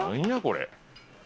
これ。